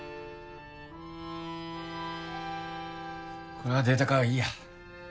これはデータ化はいいや。